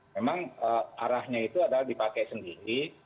memang arahnya itu adalah dipakai sendiri